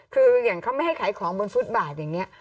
คืออย่างเขาไม่ให้ขายของบนฟุตบาทอย่างนี้